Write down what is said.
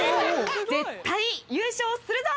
絶対優勝するぞ！